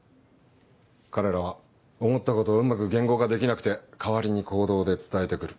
彼らは思ったことをうまく言語化できなくて代わりに行動で伝えて来る。